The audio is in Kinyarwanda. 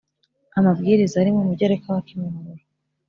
amabwiriza ari mu mugereka wa kimihurura